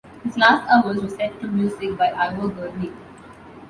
His "Last Hours" was set to music by Ivor Gurney.